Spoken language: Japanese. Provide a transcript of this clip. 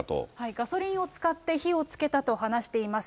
ガソリンを使って火をつけたと話しています